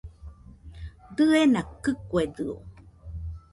Diena kɨkuedɨo